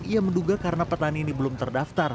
ia menduga karena petani ini belum terdaftar